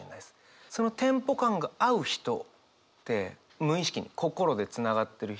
そのテンポ感が合う人って無意識に心でつながってる人。